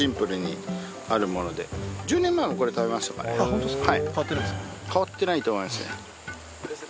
ホントっすか？